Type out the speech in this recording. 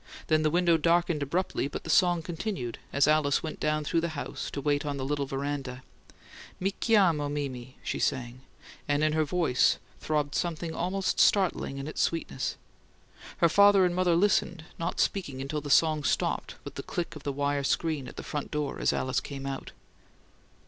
Then the window darkened abruptly, but the song continued as Alice went down through the house to wait on the little veranda. "Mi chiamo Mimi," she sang, and in her voice throbbed something almost startling in its sweetness. Her father and mother listened, not speaking until the song stopped with the click of the wire screen at the front door as Alice came out.